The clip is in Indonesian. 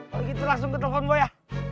kalo gitu langsung ketelpon gue ya